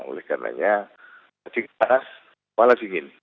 oleh karenanya tadi keras kepala dingin